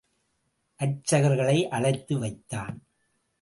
அர்ச்சகர்களை அழைத்து வைத்தான்.